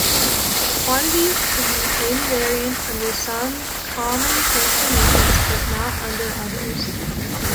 Quantities can be invariant under some common transformations but not under others.